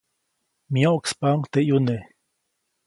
Myoʼkspaʼuŋ teʼ ʼyune.